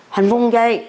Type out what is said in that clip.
hình vùng chơi